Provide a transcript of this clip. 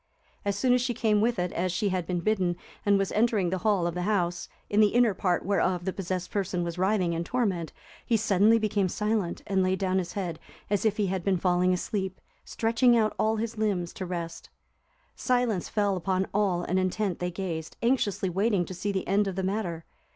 As soon as she came with it, as she had been bidden, and was entering the hall of the house, in the inner part whereof the possessed person was writhing in torment, he suddenly became silent, and laid down his head, as if he had been falling asleep, stretching out all his limbs to rest. "Silence fell upon all and intent they gazed,"(348) anxiously waiting to see the end of the matter.